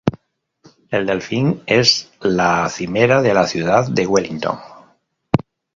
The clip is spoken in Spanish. El delfín es la "cimera" de la ciudad de Wellington.